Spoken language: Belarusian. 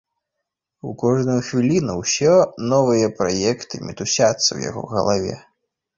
У кожную хвіліну ўсё новыя праекты мітусяцца ў яго галаве.